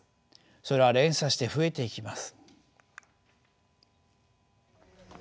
それは連鎖して増えていきます。